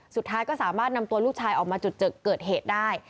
สุดท้ายก็สามารถนำตัวลูกชายออกมาจุดเกิดเหตุได้